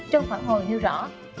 trong phản hồi nêu rõ